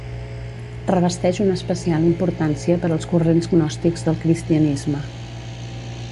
Revesteix una especial importància per als corrents gnòstics del cristianisme.